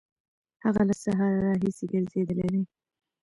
هغه له سهاره راهیسې ګرځېدلی دی.